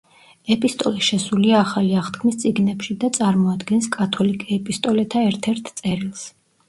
ეპისტოლე შესულია ახალი აღთქმის წიგნებში და წარმოადგენს კათოლიკე ეპისტოლეთა ერთ–ერთ წერილს.